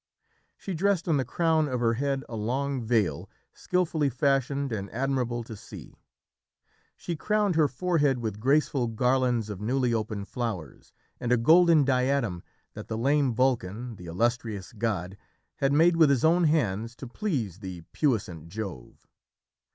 She dressed on the crown of her head a long veil, skilfully fashioned and admirable to see; she crowned her forehead with graceful garlands of newly opened flowers and a golden diadem that the lame Vulcan, the illustrious god, had made with his own hands to please the puissant Jove.